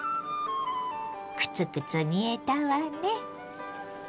クツクツ煮えたわね。